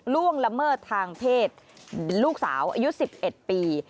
ล่วงละเมิดทางเพศลูกสาวอายุ๑๑ปี